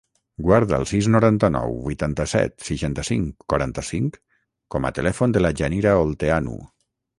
Guarda el sis, noranta-nou, vuitanta-set, seixanta-cinc, quaranta-cinc com a telèfon de la Yanira Olteanu.